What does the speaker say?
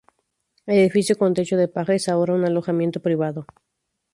El edificio con techo de paja es ahora un alojamiento privado.